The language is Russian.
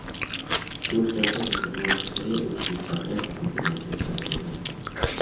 Турция хочет как можно скорее увидеть прогресс на Конференции по разоружению.